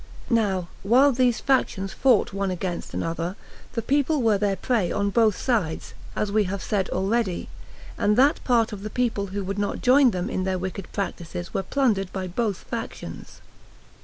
Now, while these factions fought one against another, the people were their prey on both sides, as we have said already; and that part of the people who would not join with them in their wicked practices were plundered by both factions.